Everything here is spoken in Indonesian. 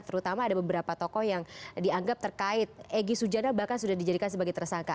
terutama ada beberapa tokoh yang dianggap terkait egy sujana bahkan sudah dijadikan sebagai tersangka